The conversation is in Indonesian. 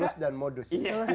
tulus dan modus